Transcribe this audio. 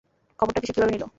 খবরটাকে সে কীভাবে নিলো?